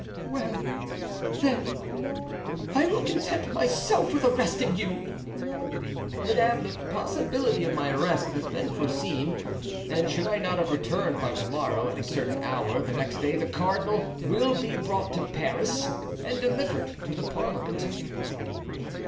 "Well, then, I will content myself with arresting you!" "Madame, the possibility of my arrest has been foreseen, and should I not have returned by to morrow, at a certain hour the next day the cardinal will be brought to Paris and delivered to the parliament."